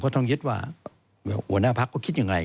ต้องยึดว่าหัวหน้าพักก็คิดยังไง